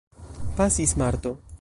Pasis marto.